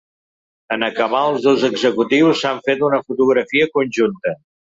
En acabar, els dos executius s’han fet una fotografia conjunta.